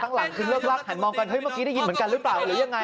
ข้างหลังคือเลิกลักหันมองกันเฮ้เมื่อกี้ได้ยินเหมือนกันหรือเปล่าหรือยังไง